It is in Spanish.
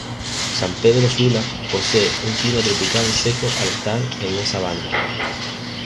San Pedro Sula posee un Clima tropical seco al estar en una sabana.